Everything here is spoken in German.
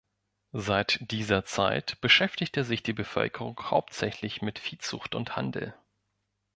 Seit dieser Zeit beschäftigte sich die Bevölkerung hauptsächlich mit Viehzucht und -handel.